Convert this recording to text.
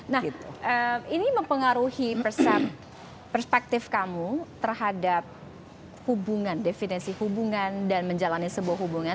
nah ini mempengaruhi perspektif kamu terhadap hubungan definisi hubungan dan menjalani sebuah hubungan